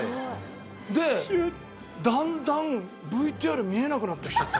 でだんだんＶＴＲ見えなくなってきちゃった。